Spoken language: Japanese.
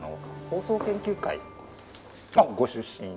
放送研究会のご出身。